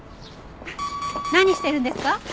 何してるんですか？